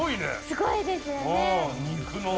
すごいですよね。